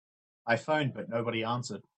I phoned but nobody answered.